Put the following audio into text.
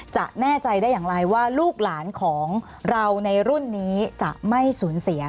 แน่ใจได้อย่างไรว่าลูกหลานของเราในรุ่นนี้จะไม่สูญเสีย